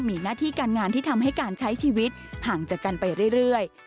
มีหน้าที่การงานที่ทำให้การใช้ชีวิตห่างจากกันไปเรื่อย